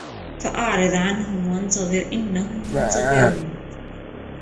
فَأَعْرِضْ عَنْهُمْ وَانْتَظِرْ إِنَّهُمْ مُنْتَظِرُونَ